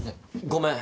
ごめん。